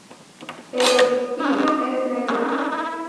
El obispillo es negro.